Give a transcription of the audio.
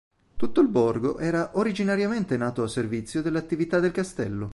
Tutto il borgo era originariamente nato a servizio delle attività del castello.